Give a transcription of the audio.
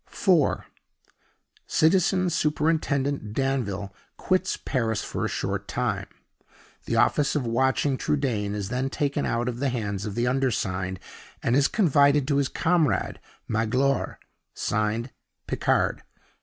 (4.) Citizen Superintendent Danville quits Paris for a short time. The office of watching Trudaine is then taken out of the hands of the undersigned, and is confided to his comrade, Magloire. Signed, PICARD.